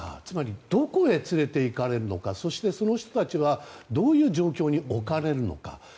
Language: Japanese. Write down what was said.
つまりどこへ連れていかれるのかそして、その人たちはどういう状況に置かれるのか。